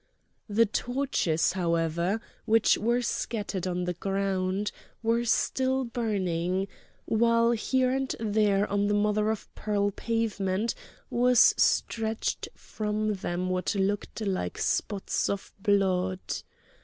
The torches, however, which were scattered on the ground, were still burning, while here and there on the mother of pearl pavement was stretched from them what looked like spots of blood.